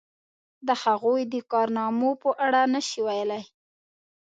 د هغوی د کارنامو په اړه نشي ویلای.